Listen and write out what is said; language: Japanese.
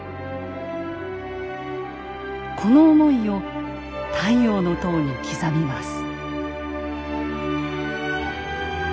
この思いを「太陽の塔」に刻みます。